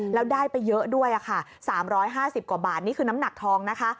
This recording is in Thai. แล้วได้ไปเยอะด้วยค่ะ๓๕๐กว่าบาทนี่คือน้ำหนักทองนะคะ